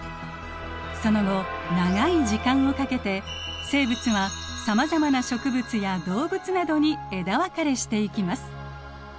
その後長い時間をかけて生物はさまざまな植物や動物などに枝分かれしていきます。